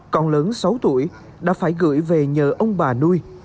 con lớn sáu tuổi đã phải gửi về nhờ ông bà nuôi